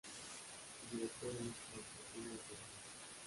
Su director es Constantino Hernández.